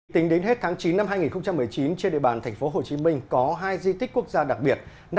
tính đến hết tháng chín năm hai nghìn một mươi chín trên địa bàn tp hcm có hai di tích quốc gia đặc biệt